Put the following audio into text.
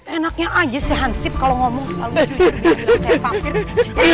enaknya aja si hansip kalo ngomong selalu jujur